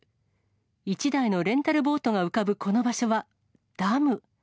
１台のレンタルボートが浮かぶこの場所は、ダム。